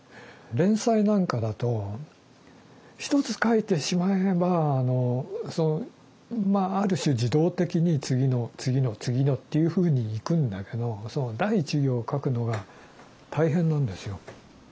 連載なんかだと一つ書いてしまえばまあある種自動的に次の次の次のっていうふうにいくんだけどその第１行を書くのが大変なんですよ。